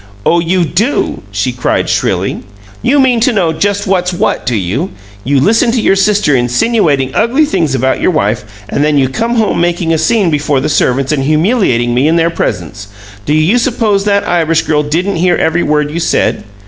"Oh, you DO!" she cried, shrilly. "You mean to know just what's what, do you? You listen to your sister insinuating ugly things about your wife, and then you come home making a scene before the servants and humiliating me in their presence! Do you suppose that Irish girl didn't hear every word you said?